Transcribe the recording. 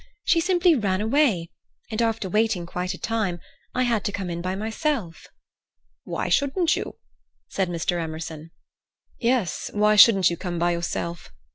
—she simply ran away, and after waiting quite a time, I had to come in by myself." "Why shouldn't you?" said Mr. Emerson. "Yes, why shouldn't you come by yourself?"